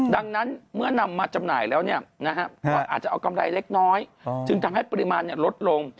ดังนั้นเมื่อนำมาจำหน่ายแล้วก็อาจจะเอากำไรเล็กน้อยจึงทำให้ปริมาณลดลง